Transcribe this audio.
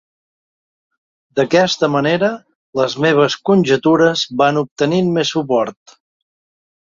D'aquesta manera, les meves conjectures van obtenint més suport.